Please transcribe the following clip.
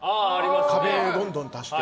壁をどんどん足して。